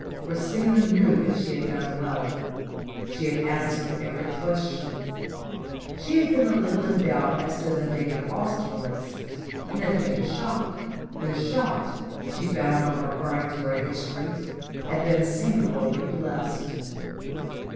Christina knew that she had done well. She had answered every question. She had been a little in doubt as to the date of Austerlitz, and had made a shot. The shot, she found on referring to her history, had been singularly blessed.